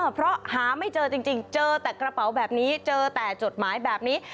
เพราะหาไม่เจอจริงเจอแต่กระเป๋าแบบนี้เจอแต่จดหมายแบบนี้